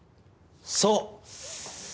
そう。